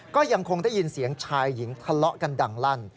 ก็ยังคงได้ยินเสียงชายหญิงทะเลาะกันดังลั่น